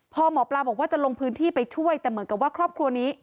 พอหมอปลาบอกว่าจะลงพื้นที่ไปช่วยแต่เหมือนกับว่าครอบครัวนี้